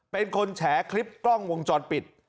เป็นคนแฉคลิปกล้องวงจรปิด